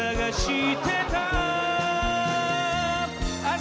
あ！